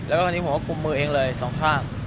แล้วก็วันนี้ผมก็คุมมือเองเลยสองข้าง